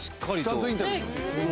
ちゃんとインタビュー。